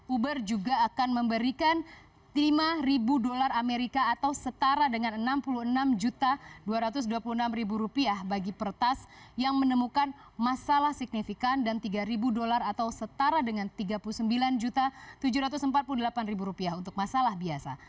uber juga akan memberikan lima dolar amerika atau setara dengan enam puluh enam dua ratus dua puluh enam rupiah bagi pertas yang menemukan masalah signifikan dan tiga dolar atau setara dengan tiga puluh sembilan tujuh ratus empat puluh delapan rupiah untuk masalah biasa